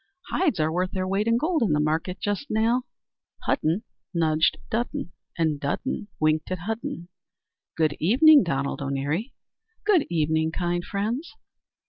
Hides are worth their weight in gold in the market just now." Hudden nudged Dudden, and Dudden winked at Hudden. "Good evening, Donald O'Neary." "Good evening, kind friends."